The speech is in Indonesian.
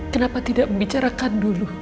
kenapa tidak membicarakan dulu